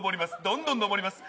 どんどんのぼります